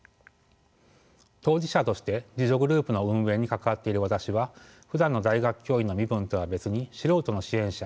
当事者として自助グループの運営に関わっている私はふだんの大学教員の身分とは別に素人の支援者